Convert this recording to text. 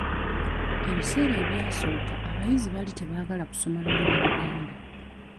Ebiseera ebyasooka abayizi baali tebaagala kusoma lulimi Luganda.